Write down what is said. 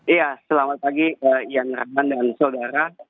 iya selamat pagi iwan radman dan saudara